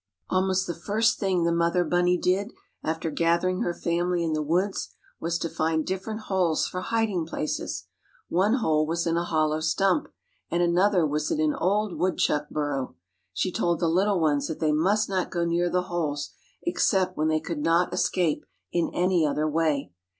Almost the first thing the mother bunny did, after gathering her family in the woods, was to find different holes for hiding places. One hole was in a hollow stump, and another was in an old woodchuck burrow. She told the little ones that they must not go near the holes, except when they could not escape in any other way.